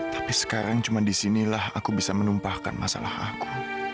tapi sekarang cuma di sini lah aku bisa menumpahkan masalah aku